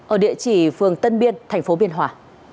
ở địa chỉ phường tân biên tp biên hòa